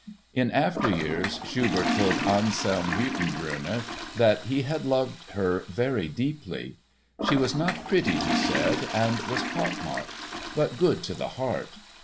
In after years Schubert told Anselm Hüttenbrenner that he had loved her "very deeply." She was not pretty, he said, and was pock marked but "good to the heart."